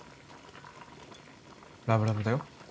ラブラブだよ